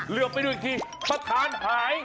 เลือกไปดูอีกทีประธานหาย